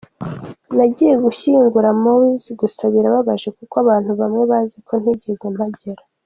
Nagiye gushyingura Mowzey gusa birababaje kuko abantu bamwe bazi ko ntigeze mpagera.